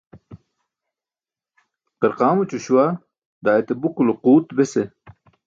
Qamquruućo śuwa, daa ete buku lo quut bese.